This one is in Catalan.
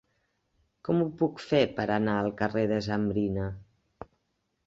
Com ho puc fer per anar al carrer de Jambrina?